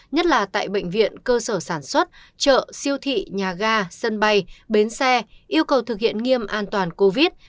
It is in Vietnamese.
nhất là tại bệnh viện cơ sở sản xuất chợ siêu thị nhà ga sân bay bến xe yêu cầu thực hiện nghiêm an toàn covid